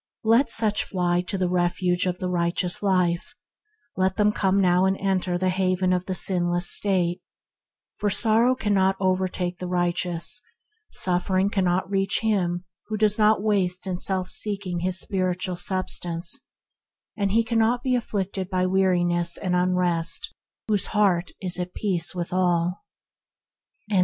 Let E.K. 9] 128 THE HEAVENLY LIFE such go to the refuge of the righteous life; let them come now and enter the haven of the sinless state, for sorrow cannot overtake the righteous; suffering cannot reach him who does not waste in self seeking his spiritual substance; and he cannot be afflicted by weariness and unrest whose heart is at peace with all.